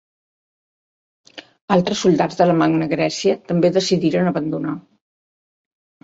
Altres soldats de la Magna Grècia també decidiren abandonar.